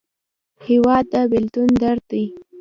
هېواد د بېلتون درد دی.